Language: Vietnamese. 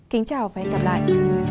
kính chào và hẹn gặp lại